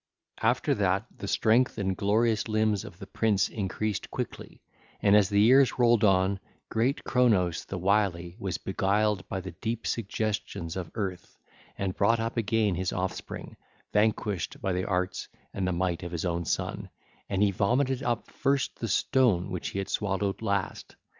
(ll. 492 506) After that, the strength and glorious limbs of the prince increased quickly, and as the years rolled on, great Cronos the wily was beguiled by the deep suggestions of Earth, and brought up again his offspring, vanquished by the arts and might of his own son, and he vomited up first the stone which he had swallowed last.